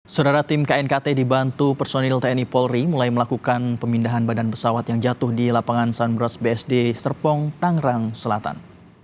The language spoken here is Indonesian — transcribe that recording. saudara tim knkt dibantu personil tni polri mulai melakukan pemindahan badan pesawat yang jatuh di lapangan sunbrus bsd serpong tangerang selatan